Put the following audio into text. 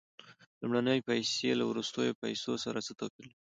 لومړنۍ پیسې له وروستیو پیسو سره څه توپیر لري